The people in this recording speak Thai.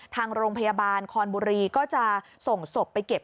ทางโรงพยาบาลคอนบุรีก็จะส่งศพไปเก็บ